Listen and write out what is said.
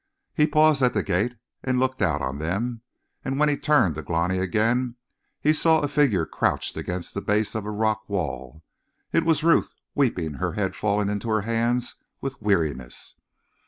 He paused at the gate and looked out on them, and when he turned to Glani again, he saw a figure crouched against the base of the rock wall. It was Ruth, weeping, her head fallen into her hands with weariness.